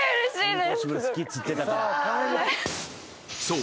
［そう。